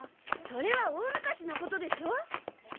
それは大昔のことでしょ！